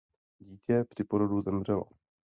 Dítě při porodu zemřelo.